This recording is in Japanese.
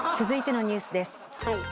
続いてのニュースです。